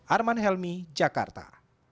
arman helmi jakarta